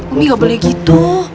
umi nggak boleh gitu